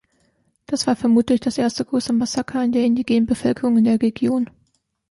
Das war vermutlich das erste große Massaker an der indigenen Bevölkerung in der Region.